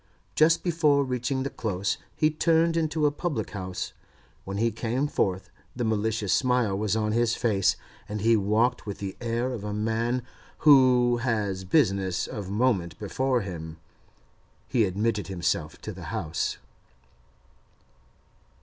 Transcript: Just before reaching the Close he turned into a public house; when he came forth the malicious smile was on his face, and he walked with the air of a man who has business of moment before him. He admitted himself to the house.